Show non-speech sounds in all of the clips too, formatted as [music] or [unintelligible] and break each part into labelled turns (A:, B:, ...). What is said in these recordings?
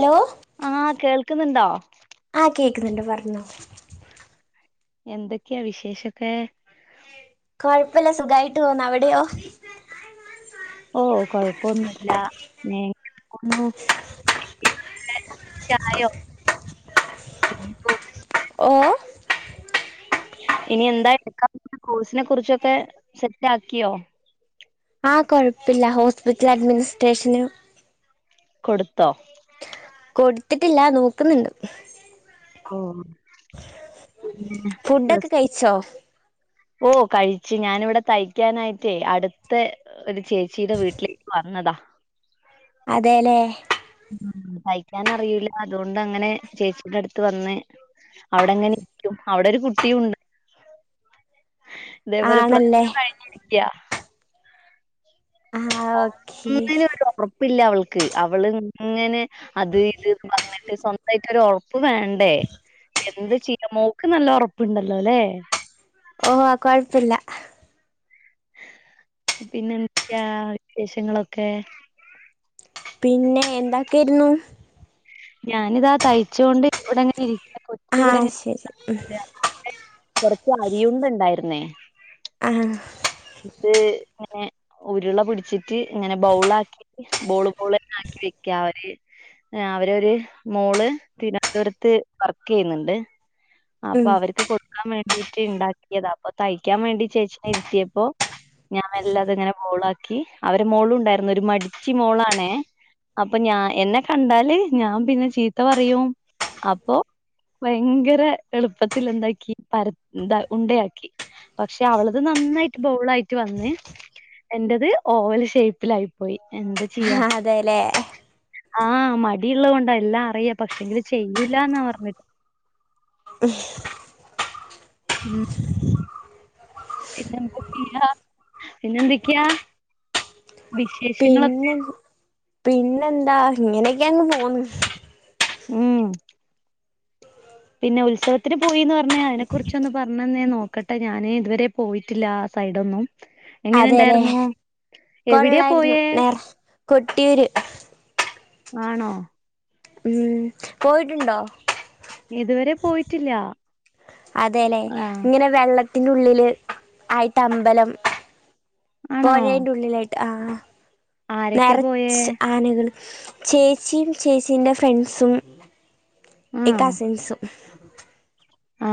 A: Hello
B: ആഹ് കേൾക്കുന്നുണ്ടോ
A: ആ കേക്കുന്നുണ്ട് പറഞ്ഞോ
B: എന്തൊക്കെയാ വിശേഷൊക്കെ
A: കോഴപ്പല്ല സുഖമായിട്ട് പോണ് അവിടെയോ
B: ഏഹ് ഒന്ന് ചായോ ഒ
A: ഓഹ്
B: ഇനി എന്താ എടുക്കപോവനെ കോഴ്സിനെ കുറിച്ചൊക്കെ സെറ്റാക്കിയോ
A: ആഹ് കൊഴപ്പില്ല ഹോസ്പിറ്റൽ അഡ്മിനിസ്ട്രേഷന്
B: കൊടുത്തോ
A: കൊടുത്തിട്ടില്ല നോക്കുന്നുണ്ട്
B: ഓ പിന്നെ
A: ഫുഡൊക്കെ
B: പ്ലസ്
A: കഴിച്ചോ
B: ഓ കഴിച്ച് ഞാനിവിടെ തയ്ക്കാനായിട്ടേ അടുത്ത ഒരു ചേച്ചിയുടെ വീട്ടിലേക്ക് വന്നതാ
A: അതേലെ
B: തയിക്കാൻ അറിയൂല്ല അതുകൊണ്ട് അങ്ങനെ ചേച്ചിയുടെ അടുത്ത് വന്ന് അവിടെങ്ങനെരിക്കും അവിടോരു കുട്ടിയുണ്ട് ഇതേപോലെ പ്ലസ്
A: ആണല്ലേ
B: ടു കഴിഞ്ഞിരിക്കയാ
A: ആ ഓക്കെ
B: ഒന്നിനും ഒരു ഉറപ്പില്ല അവൾക്ക് അവൾ ഇങ്ങനെ അത് ഇത് പറഞ്ഞിട്ട് സ്വന്തമായിട്ടോരു ഉറപ്പ് വേണ്ടേ എന്ത് ചിനു മോക നല്ല ഉറപ്പുണ്ടല്ലോ ല്ലേ
A: ഓഹ് ഹാ കൊഴപ്പില്ല
B: പിന്നെ എന്തക്കെയാ വിശേഷങ്ങളൊക്കെ
A: പിന്നെ എന്താക്കായിരുന്നു
B: ഞാനിതാ തയ്ച്ചോണ്ട് ഇവിടെങ്ങനെ ഇരിക്ക കൊച്ച്
A: ആ ശരി
B: ഇവിടെങ്ങനിരിക കൊറച്ച് അരിയുണ്ട ഉണ്ടായിരുന്നേ
A: ആ
B: ഇത് ഏഹ് ഉരുള്ള പിടിച്ചിട്ട് ഇങ്ങനെ ബൗളാക്കി ബോള് ബോള്നെക്കി വെക്ക അവര് അവരു മോള് തിരുവനന്തപുരത്ത് വർക്ക് ചെയ്യുന്നുണ്ട് അപ്പൊ
A: ഉം
B: അവർക്ക് കൊട്ക്കാൻ വേണ്ടിട്ട് ഇണ്ടാക്കിയതാ അപ്പോ തയ്ക്കാൻ വേണ്ടി ചേച്ചീനെ ഇരുത്തിയപ്പോ ഞാൻ മെല്ലെ അത് ഇങ്ങനെ ബോളക്കി ക്കി അവരെ മോളുണ്ടായിരുന്നു ഒരു മടിച്ചി മോളണേ അപ്പൊ ഞാ എന്നെ കണ്ടാല് ഞാൻ പിന്നെ ചീത്ത പറയും അപ്പൊ ഭയങ്കര എളുപ്പത്തിൽ എന്താക്കി പരതി ഉണ്ടയാക്കി. പക്ഷെ. അവളത് നന്നായിട്ട് ബോള ആയിട്ട്. വന്ന്. എന്റേത്. ഓവൽ ഷേപ്പിൽ ആയിപ്പോയി.
A: ആ അതെല്ലേ.
B: ആഹ. മടിള്ളത് കൊണ്ടാ. എല്ലാം അറിയ പക്ഷെങ്കില് ചെയ്യൂല എന്നാ പറഞ്ഞ.
A: ഷ്
B: ഉം പിന്നെന്തൊ? ചെയ്യ പിന്നെന്തക്കെയ. വിശേഷങ്ങളൊക്കെ.
A: പിന്നെ പിന്നെന്താ? ഇങ്ങനെയൊക്കെ അങ്ങ് പോന്ന്.
B: ഉം പിന്നെ. ഉത്സവത്തിന്പോയിന്ന്പറഞ്ഞ അതിനെ കുറിച്ചൊന്ന് പറഞ്ഞെ. നോക്കട്ടെ ഞാന് ഇതുവരെ പോയിട്ടില്ല. സൈഡൊന്നും എങ്ങനെ
A: അതേലേ
B: ഇണ്ടായിരുന്നു?
A: കൊള്ളായിരുന്നു. നേറ കൊട്ടിയൂര്.
B: ആണോ
A: ഉം പോയിട്ടുണ്ടോ
B: ഇതുവരെ പോയിട്ടില്ല.
A: അതെല്ലെ
B: ആഹ്
A: ഇങ്ങനെ വെള്ളത്തിന്റെുള്ളില് ആയിട്ട് അമ്പലം.
B: ആണോ
A: പുയുടെ ഉള്ളിലായിട്ട് ആ,
B: ആരൊക്കെ
A: നിറയെ
B: പോയേ
A: ആനകൾ. ചേച്ചിയും ചേച്ചീ ന്റെ ഫ്രണ്ട്സും
B: ആഹ്
A: കസിൻസും.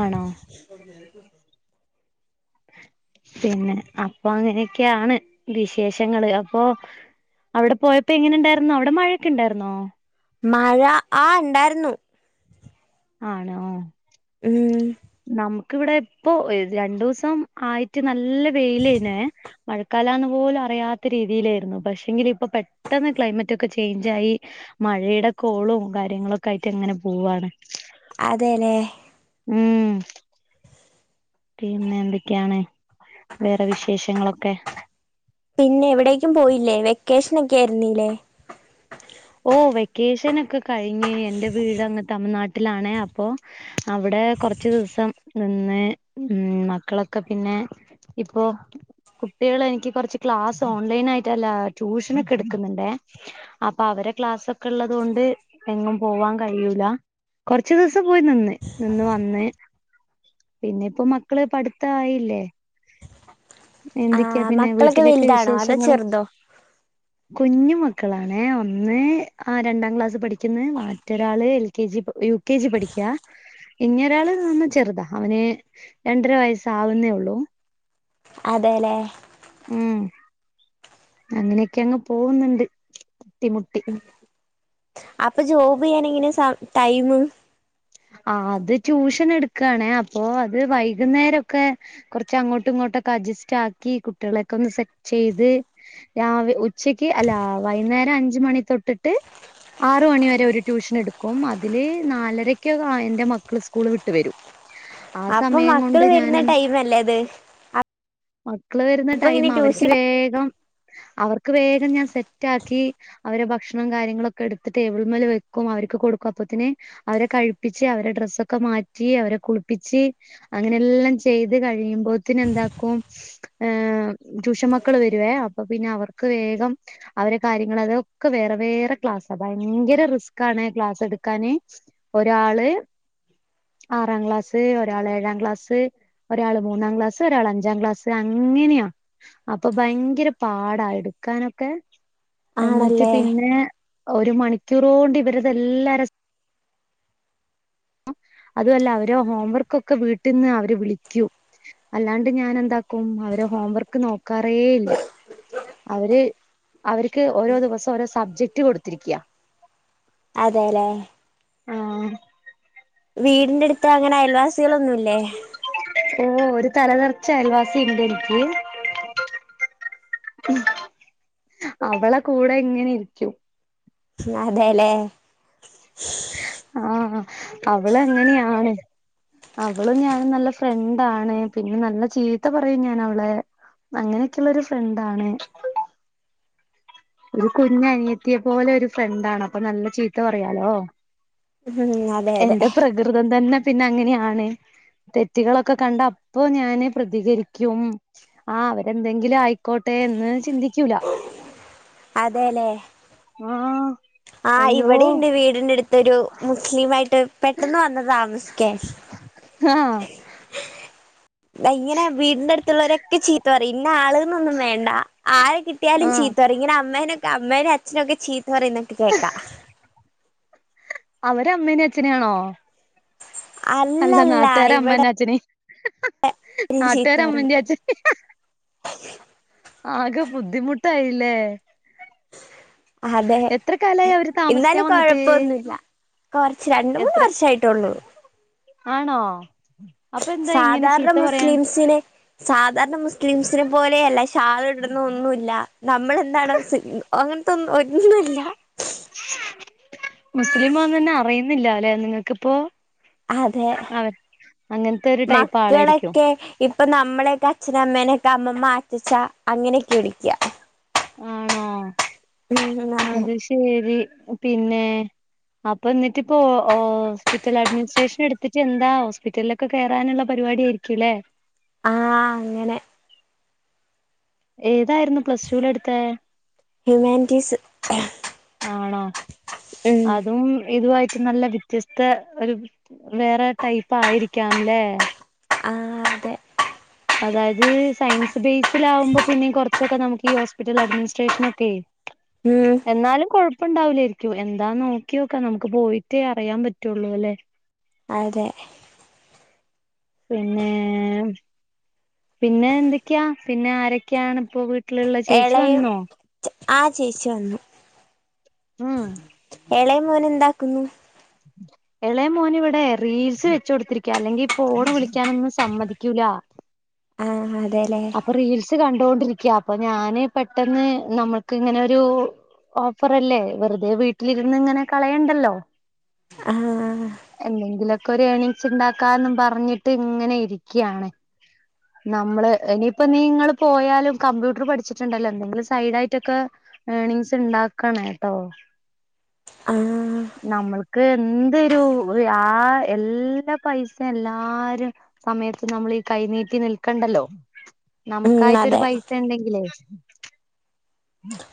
B: ആണോ
A: [inaudible]
B: പിന്നെ. അപ്പൊ അങ്ങനെയൊക്കെയാണ്. വിശേഷങ്ങള് അപ്പൊ. അവിടെ പോയപ്പോ എങ്ങനെ ഉണ്ടായിരുന്നു. അവിടെ മഴൊക്കെ ഉണ്ടായിരുന്നോ?
A: മഴ ആ ഉണ്ടായിരുന്നു.
B: ആണോ
A: ഉം
B: നമുക്ക്‌വിടെ ഇപ്പൊ രണ്ടു ദിവസം ആയിട്ട്. നല്ല വെയിലേനെ മഴക്കാല പോല അിയാത്ത രീതിയിലായിരുന്നു പക്ഷെങ്കിൽ ഇപ്പോ പെട്ടന്ന് ക്ലൈമറ്റ്, ഒക്കെ ചേഞ്ചായി, മഴ [unintelligible] പഴയുടെ കോളും കാര്യങ്ങള ഒക്കെ ആയിട്ട് എങ്ങനെ പോവുവാണ്.
A: അതെലെ
B: ഉം പിന്നെ? എന്തൊക്കെയാണ് വേറെ വിശേഷങ്ങളൊക്കെ.
A: പിന്നെ. എവിടേക്കും പോയില്ലേ. വെക്കേഷന ഒക്കെ ആയിരുന്നീല്ലേ
B: ഓ വെക്കേഷൻ ഒക്കെ കഴിഞ്ഞ്. എൻറെ വീടങ്ങ് തമിഴ്നാട്ട വീട്ടിലാണ് അപ്പോൊ അവിടെ കുറച്ചു ദിവസം നിന്ന് ഉ മക്കളൊക്കെ പിന്നെ ഇപ്പൊ കുട്ടികൾ എനിക്ക് കുറച്ച് ക്ലാസ് ഓൺലൈൻ ആയിട്ട്ല്ല ട്യൂഷന ഒക്കെ എടുക്കുന്നുണ്ടേ. അപ്പൊ അവരെ ക്ലാസ്സൊക്കെ ഉള്ളത് കൊണ്ട് എങ്ങും പോവാൻ കഴിയൂല. കൊറച്ചു ദിവസം പോയി നിന്ന് നിന്ന് വന്ന്. പിന്നെ. ഇപ്പൊ മക്കള് പഠിത്ത ആയില്ലേ.
A: ആ
B: എന്തൊക്കെയാ പിന്നെ
A: മക്കളൊക്കെ
B: വീട്ടിലൊക്കെ
A: വലുതാണോ അതോ
B: വിശേഷങ്ങളും,
A: ചെറുതോ
B: കുഞ്ഞും. മക്കളാണ് ഒന്ന് ആ രണ്ടാം ക്ലാസ് പഠിക്കുന്ന് മറ്റൊരാള്, എൽ യു കെ ജി പഠിക്ക. ഇന്നൊരാൾ നന്ന ചെറുതാ അവന് രണ്ടര വയസ ആവുന്നേ ഉള്ളൂ.
A: അതെലെ
B: ഉം അങ്ങനെയൊക്കെ അങ്ങ് പോകുന്നുണ്ട് ത ട്ടിമുട്ടി.
A: അപ്പൊ ജോബ് ചെയ്യാന എങ്ങനെ ടൈം.
B: ആ അത്. ട്യൂഷൻഎടുക്കയാണെഅപ്പൊ അത് വൈകുന്നേരൊക്കെ കൊറച്ച് അങ്ങോട്ടും, ങ്ങോട്ടൊക്കെ അ ജസ്റ്റ് ആക്കി കുട്ടികളെ ഒക്കെന്ന്സെറ്റ് ചെയ്ത്. രാ.. ഉച്ചക്ക് അല്ലെ വൈനേരം. അഞ്ച് മണി തെട്ട്ട്ട്ആറു മണി വരെ ഒരു റ്റൂഷൻടുക്കും. അതില് നാലര ന്റെ മക്കള് സ്കൂള് വിട്ട് വരും ആ
A: അപ്പൊ
B: സമയം കൊണ്ട്
A: മക്കള്
B: ഞാൻ
A: വരുന്ന
B: എന്ത്
A: ടൈം അല്ലേ അത്
B: മക്കള് വരുന്ന
A: അപ്പൊ
B: ടൈം
A: ഇങ്ങനെ
B: അവർക്ക്
A: ട്യൂഷൻ
B: വേഗം അവർക്ക് വേഗം ഞാൻ സെറ്റ ആാക്കി അവടെ ഭക്ഷണം കാര്യങ്ങളൊക്കെ എടുത്ത് ടേബിൾ മേല് വെക്കും അവർക്ക് കൊടുക്കും അപോത്തിനെ അവരെ കഴ ച്ച് അവരെ ഡ്രസ്സൊക്കെ മാറ്റി അവരെ കുളിപ്പിച്ച് അങ്ങനെല്ലാം ചെയ്ത് കഴിയുമ്പോതിന് എന്താ കും ഏ ട്യൂഷൻ മക്കളെവരും അപ്പൊ പിന്നെ അവര്ക് വേഗം അവരെ കാര്യം ങ്ങൾ ദ് ഓക്കേ വേറെ വേറെ ക്‌ളാസ ഭയങ്കര റിസ്ക്കാൻ ക്‌ളാസ്സെടകൻ ഒറ്റ ഒരാള് ആറാം ക്ലാസ്സ് ഒരാള് ഏഴാം ക്ലാസ് ഒരാൾ മൂന്നാം ക്ലാസ് ഒരാൾ അഞ്ചാം ക്ലാസ് അങ്ങനെയാ അപ്പൊ ഭയങ്കര പാടായിടു കാനൊക്കെ എന്നിട്ട്
A: ആണല്ലേ
B: പിന്നെ ഒരു മണിക്കൂർു കൊണ്ട് ഇവരത എല്ലാര
A: ഉ [unintelligible]
B: അതുമല്ല അവര ഹോംവർക്കൊക്കെ വീട്ടിൽന്ന് അവര് വിളിക്കൂ അല്ലാണ്ട് ഞാാന എന്താക്കും അവരെ ഹോംവർക്ക് നോക്കാറേ ഇല്ല അവര് അവർക്ക് ഓരോ ദിവസം ഓരോ സബ്ജക്ട് കൊടുത്തിരിക്കയാ
A: അതെല്ലേ
B: ആഹ
A: വീടിന്റെ അടുത്ത് അങ്ങനെ അയൽവാസികളൊന്നുമല്ലേ
B: ഓ ഒരു തലതറച്ച അയൽവാസിുണ്ട് എനിക്ക് അവളെ കൂടെ ഇങ്ങനെ ഇരിക്കും
A: അ ധല്ലേ
B: ആ അവള അങ്ങനെയാണ് അവളും ഞൻും നല്ല ഫ്രണ്ടാണ് പിന്നെ നല്ല ചീത്ത പറയും ഞാ ൻ അവളെ അങ്ങനൊക്കെയള്ള ഒരു ഫ്രണ്ടാണ് ഒരു കുഞ്ഞ അനിയെത്തിയ പോലെ ഒരു ഫ്രണ്ടാണ് അപ്പൊ നല്ല ചീത്ത പറയാലോ
A: ഉം അതെ അതെ
B: എന്റെ പ്രകൃതം തന്നെ പിന്നെ അങ്ങനെയാണ് തെറ്റുകളളൊക്കെ കണ്ട അപ്പൊ ഞാാന് പ്രതികരിക്കും ആ അവരെന്തെങ്കിലും ആയിക്കോട്ടെ എന്ന് ചിന്തിക്കൂല
A: ഉ [unintelligible]
B: ആഹ
A: ആഹ് ഇവിടെുണ്ട് വീടിന്റെ അടുത്ത്ൊരു മുസ്ലിം ആയിട്ട് പെട്ടെന്ന് വന്ന് താമസിക്കേ
B: ആഹ
A: ഇ ഇങ്ങനെ വീടിന്റെ അടുത്തുള്ളവരൊക്കെ ചീത്ത പറയും ഇന്ന ആളുകളന്നൊന്നും വേണ്ട ആരെ കിട്ട ട്ടിയാലും
B: ആഹ്
A: ചീത്ത പറഇങ്ങനെ അമ്മേനൊക്കെ അമ്മേനും അച്ഛനുംൊക്കെ ചീത്ത പറന്നൊക്കെ കേൾക്കാം
B: അവരെ അമ്മേന അച്ഛനാണോ അല്ല
A: അല്ലല്ല
B: നാട്ടാര
A: ഇവിടെ
B: അമ്മനെ അച്ഛനി
A: ചീത്ത
B: നാട്ടുകര്
A: പറയും
B: അമ്മന്തിയാച്ച ആകെ ബുദ്ധിമുട്ടായില്ലേ
A: അതെ
B: എത്ര കാലായി അവര് താമസിക്കാൻ
A: എന്നാലും
B: വന്നിട്ട്?
A: കൊഴപ്പൊന്നുല്ല കൊറച്ച് രണ്ട് മൂന്ന്
B: എത്ര
A: വർഷായിട്ടൊള്ളൂ
B: ആണോ അപ്പൊ എന്താ ഇങ്ങനെ ചീത്ത പറയാൻ
A: കാരണം മുസ്ലിംസിനെ പോലെയല്ല ഷാൾ ഇടുന്ന ഒന്നുമില്ല നമ്മളെന്താണൊ അങ്ങനത്തെന്നും ഒന്നുംല്ല
B: മുസ്ലിമാന്നെന്നെ അറിയുന്നില്ല അല്ലെ നിങ്ങക്കിപ്പോ
A: അതെ
B: അവ അങ്ങനത്തെ ഒരു ടൈപ്പ് ആളായിരിക്കും
A: മക്കളൊക്കെ ഇപ്പൊ നമ്മളെക്കെ അച്ഛനെ അമ്മേനൊക്കെ അമ്മമ്മ അഛച്ചാ അങ്ങനെയൊക്കെ വിളിക്ക
B: ആണോ
A: ഉം അതെ
B: അത് ശരി പിന്നെ അപ്പൊ എന്നിട്ട ഇപ്പോ ഹോസ്പിറ്റൽ അഡ്മിനിസ്ട്രേഷൻ എടുത്തിട്ട് എന്താ ഹോസ്പിറ്റലിലൊക്കെ കയറാനുള്ള പരി പരിപാടിയായിരിക്കുലേ
A: ആഹ് അങ്ങനെ
B: ഏതായിരുന്നു പ്ലസ്ടുലെടുത്തെ
A: ഹ്യൂമാൻറ്റീസ്
B: ആണോ അതും ഇതുവായി [unintelligible] നല്ല വ്യത്യസ്ത ഒരു വേറെ ടൈപ്പ് ആയിരിക്കാം ല്ലേ
A: ആ അതെ
B: അതായത് സയൻസ് ബേസൽ ആകുമ്പോ പിന്നെ കുറച്ചൊക്കെ നമുക്ക് ഈ ഹോസ്പിറ്റൽ അഡ്മിനിസ്ട്രേഷന ഒക്കെ
A: ഉം
B: എന്നാലും കൊഴപ്പ പ്പണ്ടാവില്ലായിരിക്കും എന്താ നോക്കിയോക്കാ. നമുക്ക് പോയിട്ടേ അറിയാൻ പറ്റുള്ളൂ അല്ലേ
A: അതെ
B: പിന്നെ പിന്നെ എന്തൊക്കെയാ പിന്നെ ആരൊക്കെയാണ് ഇപ്പോവീട്ട വീട്ടിലുള്ള ചേച്ചി വന്നോ
A: ആഹ് ചേച്ച വന്നു
B: ഉം
A: എളേ മോനെന്താക്കുന്നു
B: എളേ മോൻ ഇവിടെ റീൽസ് വെച്ച കൊടുത്തിരിക്ക അല്ലെങ്കിൽ ഫോണ് വിളിക്കാനൊന്നും സമ്മതിക്കൂല
A: [inaudible] അതെല്ലേ
B: അപ്പൊ റീൽസ് കണ്ടൊണ്ടിരിക്കയാ അപ്പൊ ഞാന് പെട്ടെന്ന് നമ്മൾക്ക് ഇങ്ങനെരു ഓഫറല്ലേ വെറുതെ വീട്ടിലിരുന്ന് ഇങ്ങനെ കളയണ്ടല്ലോ
A: ആഹ്
B: എന്തെങ്കിലൊക്കെ ഒരു ഏണിങ്സ് ഉണ്ടാക്കാും പറഞ്ഞിട്ട് ഇങ്ങനെ ഇരിക്കാണ് നമ്മളെ ഇനിയിപ്പ നിങ്ങള് പോയാലും കമ്പ്യൂട്ടർ പഠിച്ചിട്ടുണ്ടല്ലോ എന്തങ്കിലും സൈഡായിട്ടൊക്കെ ഏണിങ്സ് ഉണ്ട ആക്കണ ഏട്ടോ
A: ആഹ്
B: നമ്മൾക്ക് എന്തൊരു ആ എല്ലാ പൈസയും എല്ലാരും സമയത്ത് നമ്മളീ കൈനീട്ടി നിൽക്കണ്ടല്ലോ
A: ഉം
B: നമുക്കായിട്ട് ഒരു
A: അതെ
B: പൈസ ഉണ്ടെങ്കിലേ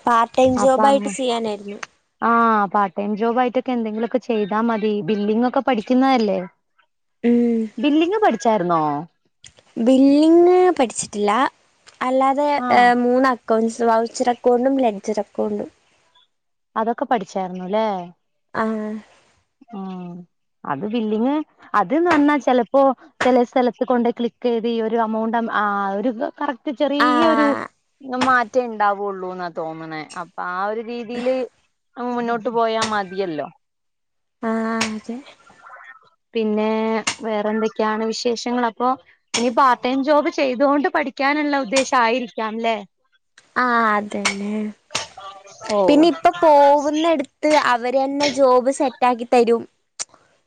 A: പാർട്ട് ടൈം ജോബായിട്ട്
B: അപ്പാങ്ങ
A: ചെയ്യാനായിരുന്നു
B: ആഹ് പാർട്ട് ടൈം ജോബ് ആയിട്ടൊക്കെ എന്തെങ്കിലൊക്കെ ചെയ്താ മതി ബില്ലിംങ്ങൊക്കെ പഠിക്കുന്നല്ലേ
A: ഉം
B: ബില്ലിങ് പഠിച്ചായിര്ന്നോ
A: ബില്ലിംഗ് പഠിച്ചിട്ടില്ല അല്ലാതെ
B: ആ
A: ഏ മൂന്ന് അക്കൗണ്ട്സ വൗച്ചർ അക്കൗണ്ടും ലഡ്ജർ അക്കൗണ്ടും
B: അതൊക്കെ പഠിച്ചായിര്ന്നുല്ലേ
A: ആഹ്
B: ആ അത് ബില്ലിങ് അത്ന് പറഞ്ഞാ ചെലപ്പോ ചില സ്ഥലത്ത് കൊണ്ട് ക്ലിക്ക് ചെയ്ത് ഈ ഒരു എമൗണ്ട് നമ്മ ആ ഒരു കറക്റ്റ് ചെറിയൊരു
A: ആഹ്
B: മാറ്റേ ഇണ്ടാവുള്ളൂന്നാ തോന്നണേ അപ്പൊ ആ ഒരു രീതിയില് [unintelligible] മുന്നോട്ട് പോയാ മതിയല്ലോ
A: ആതെ
B: പിന്നെ വേറെ എന്തൊക്കെയാണ് വിശേഷങ്ങൾ അപ്പൊ ഇനി പാർട്ട് ടൈം ജോബ് ചെയ്തോ ണ്ട് പഠിക്കാനുള്ള ഉദ്ദേശംയിരിക്കാംല്ലേ
A: ആ അതന്നെ
B: ഓ
A: പിന്നെ ഇപ്പ പോവുന്നടുത്ത് അവര്ന്നെ ജോബ് സെറ്റ ആക്കി തരും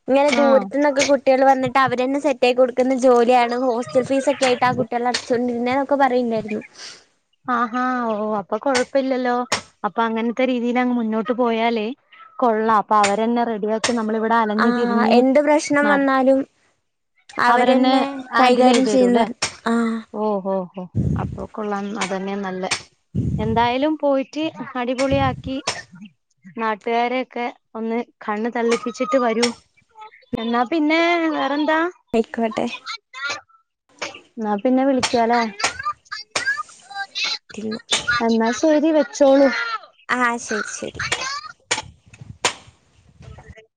A: ഇങ്ങനെ
B: ആഹ്
A: ദൂരത്ത നിന്നൊക്കെ കുട്ടികൾ വന്നിട്ട് അവര്ന്നെ സെറ്റ് ആയിടുക്ക ുന്ന ജോലിയാണ് ഹോസ്റ്റൽ ഫീസ ഒക്കെ ആയിട്ട് ആ കുട്ടികള അടച്ചോണ്ടിരുന്നേ എന്നൊക്കെ പറയുണ്ടായിരുന്നു
B: ആഹാ ഓ അപ്പൊ കൊഴപ്പില്ലല്ലോ അപ്പൊ അങ്ങനത്തെ രീതിൽ അങ്ങ് മുന്നോട്ട് പോയാലേ കൊള്ളാം അപ്പൊ അവരന്നെ റെഡിയ ആക്കി നമ്മള ഇവിടെ അലഞ്ഞി
A: ആ എന്ത് പ്രശ്നം വന്നാലും അവരെന്നെ
B: ഹാൻഡിൽ
A: കൈകാര്യം
B: ചെയ്ത് തരൂല്ലേ
A: ചെയ്യുന്നവ ആ
B: അതെന്നെ നല്ല എന്തായാലും പോയിട്ട് അടിപൊളിയാക്കി നാട്ടുകാരെയൊക്കെ ഒന്ന് കണ്ണ് തള്ളിപ്പിച്ചിട്ട് വരൂ എന്നാ പിന്നെ എന്താ
A: ആയിക്കോട്ടെ
B: എന്നാ പിന്നെ വിളിക്കാലേ? [unintelligible] എന്നാ ശരി വെച്ചോളൂ.
A: ആഹ് ശരി ശരി
B: ഉ